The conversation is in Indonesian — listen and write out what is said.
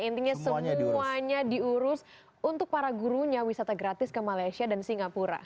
intinya semuanya diurus untuk para gurunya wisata gratis ke malaysia dan singapura